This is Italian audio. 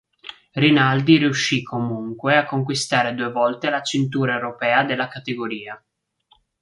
Rinaldi riuscì comunque a conquistare due volte la cintura europea della categoria.